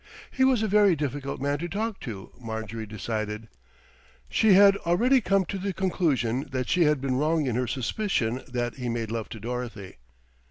He was a very difficult man to talk to, Marjorie decided. She had already come to the conclusion that she had been wrong in her suspicion that he made love to Dorothy.